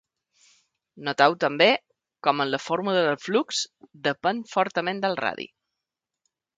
Noteu també com en la fórmula el flux depèn fortament del radi.